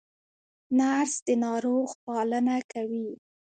نرس د ناروغ پالنه کوي